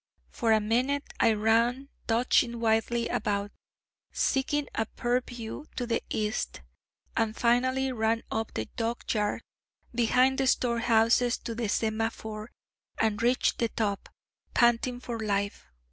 For a minute I ran dodging wildly about, seeking a purview to the East, and finally ran up the dockyard, behind the storehouses to the Semaphore, and reached the top, panting for life.